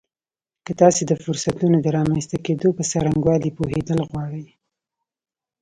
که تاسې د فرصتونو د رامنځته کېدو په څرنګوالي پوهېدل غواړئ.